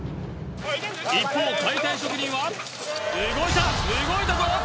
一方解体職人は動いた動いたぞ！